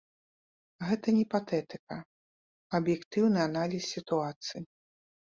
Гэта не патэтыка, а аб'ектыўны аналіз сітуацыі.